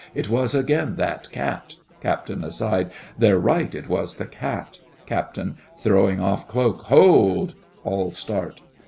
It was again that cat! CAPT. (aside). They're right, it was the cat! CAPT. (throwing off cloak). Hold! (All start.)